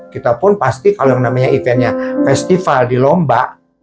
kita pun pasti kalau yang namanya eventnya festival di lomba